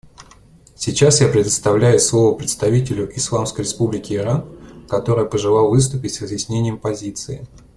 Сейчас я предоставляю слово представителю Исламской Республики Иран, который пожелал выступить с разъяснением позиции.